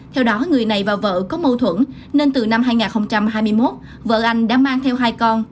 theo đó người này và vợ có mâu thuẫn nên từ năm hai nghìn hai mươi một vợ anh đã mang theo hai con